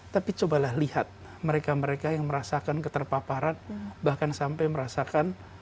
tapi cobalah lihat mereka mereka yang merasakan keterpaparan bahkan sampai merasakan